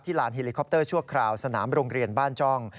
ลานเฮลิคอปเตอร์ชั่วคราวสนามโรงเรียนบ้านจ้อง